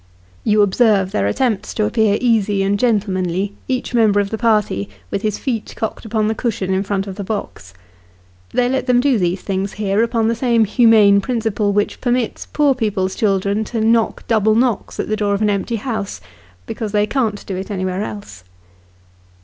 Yon observe their attempts to appear easy and gentlemanly, each member of the party, with his feet cocked upon the cushion in front of the box ! They let them do these things here, upon the same Behind the Scenes. 91 humane principle which permits poor people's children to knock double knocks at the door of an empty house because they can't do it anywhere else.